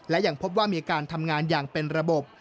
และยังพบว่ามีการทำงานอย่างเป็นระบบ